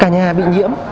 mà cả nhà bị nhiễm